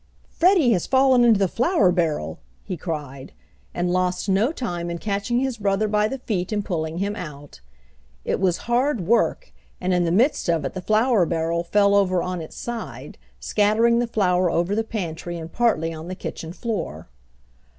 "Freddie has fallen into the flour barrel!" he cried, and lost no time in catching his brother by the feet and pulling him out. It was hard work and in the midst of it the flour barrel fell over on its side, scattering the flour over the pantry and partly on the kitchen floor.